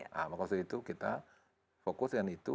nah maka dari itu kita fokus yang itu